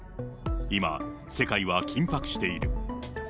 今、世界は緊迫している。